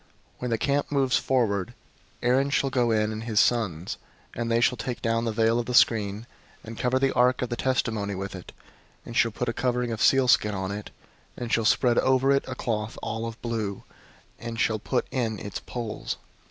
004:005 When the camp moves forward, Aaron shall go in, and his sons, and they shall take down the veil of the screen, and cover the ark of the Testimony with it, 004:006 and shall put a covering of sealskin on it, and shall spread over it a cloth all of blue, and shall put in its poles.